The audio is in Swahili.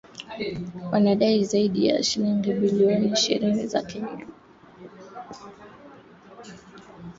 wanadai zaidi ya shilingi bilioni ishirini za Kenya